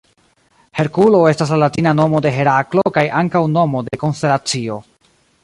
Herkulo estas la latina nomo de Heraklo kaj ankaŭ nomo de konstelacio.